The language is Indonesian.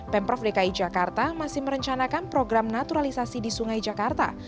pemprov dki jakarta masih merencanakan program naturalisasi di sungai jakarta